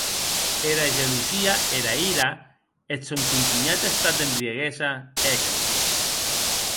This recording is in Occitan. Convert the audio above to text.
Era gelosia, era ira, eth sòn contunhat estat d'embriaguesa, eca.